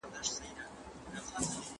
زه مخکي تکړښت کړي وو؟!